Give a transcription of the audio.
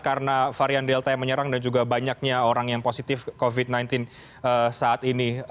karena varian delta yang menyerang dan juga banyaknya orang yang positif covid sembilan belas saat ini